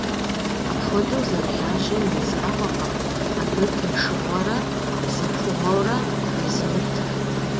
Апхуэдэу зэрылажьэм и закъуэкъым абы тыншыгъуэрэ псэхугъуэрэ къезымытыр.